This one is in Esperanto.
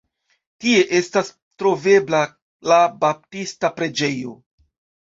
Tie estas trovebla la Baptista Preĝejo.